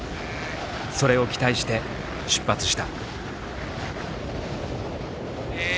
それを期待して出発した。